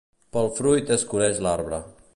Pel fruit es coneix l'arbre.